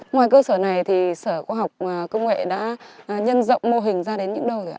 ngoài cơ sở này thì sở khoa học công nghệ đã nhân rộng mô hình ra đến những đâu rồi